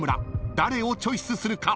誰をチョイスするか？］